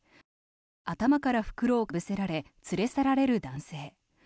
頭から袋をかぶせられ連れ去られる男性。